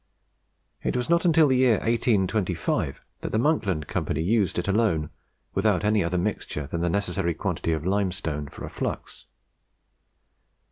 It was not until the year 1825 that the Monkland Company used it alone, without any other mixture than the necessary quantity of limestone for a flux.